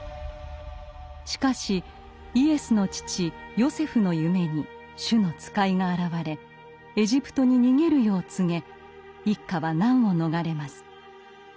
しかしイエスの父ヨセフの夢に主の使いが現れエジプトに逃げるよう告げ一家は難を逃れます。